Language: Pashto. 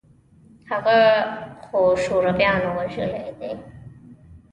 هغه خو شورويانو وژلى دى.